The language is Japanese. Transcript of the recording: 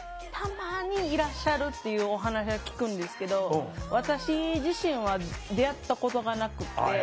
たまにいらっしゃるっていうお話は聞くんですけど私自身は出会ったことがなくて。